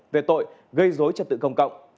về tội gây dối trật tự công cộng